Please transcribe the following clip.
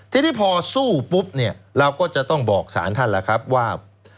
ทีนี้พอสู้ปุ๊บเนี่ยเราก็จะต้องบอกสารท่านล่ะครับว่า